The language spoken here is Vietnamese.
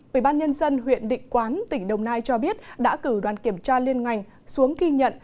bởi ban nhân dân huyện định quán tỉnh đồng nai cho biết đã cử đoàn kiểm tra liên ngành xuống ghi nhận